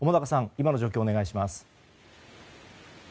今の状況を願いします。